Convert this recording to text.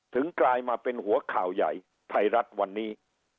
กลายมาเป็นหัวข่าวใหญ่ไทยรัฐวันนี้